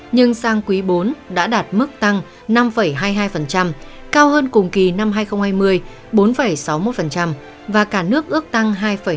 nhưng sang quý bốn đã đạt mức tăng năm hai mươi hai cao hơn cùng kỳ năm hai nghìn hai mươi bốn sáu mươi một và cả nước ước tăng hai bảy mươi